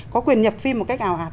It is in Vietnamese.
có quyền nhập phim một cách ảo ạt